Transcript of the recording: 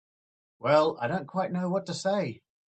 Well—I don't quite know what to say.